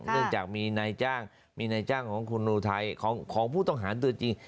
เนื่องจากมีนายจ้างมีนายจ้างของคุณอุทัยของผู้ต้องหาตัวจริง